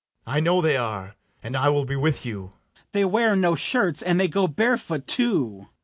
I know they are; and I will be with you. FRIAR BARNARDINE. They wear no shirts, and they go bare foot too.